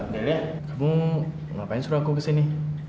delia kamu ngapain suruh aku kesini